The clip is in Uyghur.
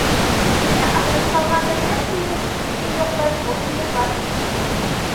يەنە ئاغرىپ قالغان بىر نەچچە مويسىپىتنى يوقلاش ئويۇممۇ بار، دېدى.